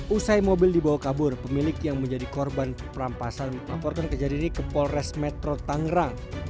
usai mobil dibawa kabur pemilik yang menjadi korban perampasan melaporkan kejadian ini ke polres metro tangerang